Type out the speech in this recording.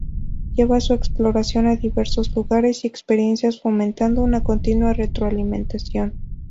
Lleva su exploración a diversos lugares y experiencias, fomentando una continua retroalimentación.